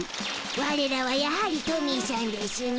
ワレらはやはりトミーさんでしゅな。